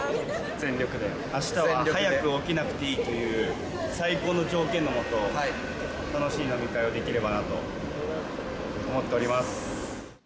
全力であしたは早く起きなくていいという、最高の条件の下、楽しい飲み会ができればなと思っております。